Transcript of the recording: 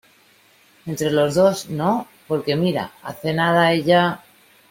entre los dos, ¿ no? por que mira , hace nada , ella...